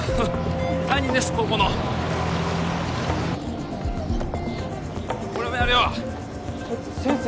担任です高校の俺もやるよえっ先生